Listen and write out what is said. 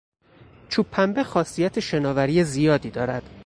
چوبپنبه خاصیت شناوری زیادی دارد.